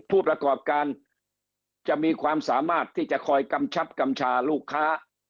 ผู้ประกอบการจะมีความสามารถที่จะคอยกำชับกำชาลูกค้า